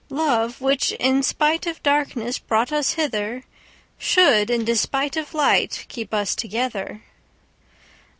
Love, which in spite of darkness brought us hither, Should in despite of light keep us together.